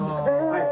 はい。